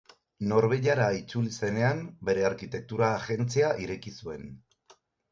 Norvegiara itzuli zenean, bere arkitektura agentzia ireki zuen.